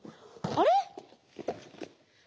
あれ？